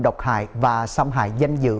độc hại và xâm hại danh dự